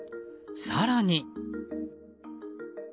更に。